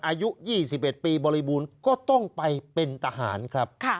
อายุ๒๑ปีบริบูรณ์ก็ต้องไปเป็นทหารครับ